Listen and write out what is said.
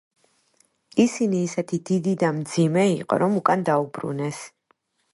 ისინი ისეთი დიდი და მძიმე იყო, რომ უკან დაუბრუნეს.